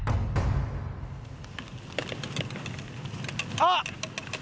あっ！